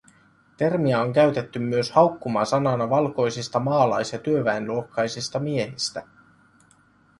Termiä on käytetty myös haukkumasanana valkoisista maalais- ja työväenluokkaisista miehistä